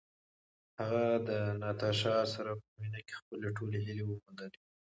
هغه د ناتاشا سره په مینه کې خپلې ټولې هیلې وموندلې.